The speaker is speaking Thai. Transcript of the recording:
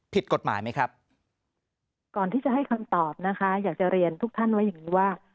ผิดกฎหมายไหมครับก่อนที่จะให้คำตอบนะคะอยากจะเรียนทุกท่านไว้อย่างนี้ว่า